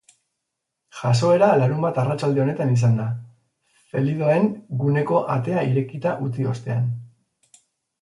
Jazoera larunbat arratsalde honetan izan da, felidoen guneko atea irekita utzi ostean.